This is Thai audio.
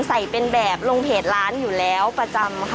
ใส่เป็นแบบลงเพจร้านอยู่แล้วประจำค่ะ